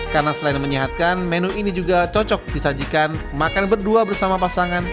karena selain menyehatkan menu ini juga cocok disajikan makan berdua bersama pasangan